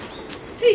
はい。